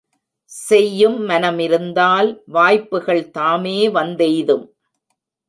செய்யும் மனமிருந்தால் வாய்ப்புகள் தாமே வந்தெய்தும்.